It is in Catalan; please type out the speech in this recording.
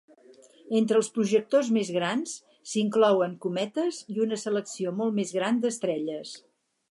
Entre els projectors més grans s'inclouen cometes i una selecció molt més gran d'estrelles.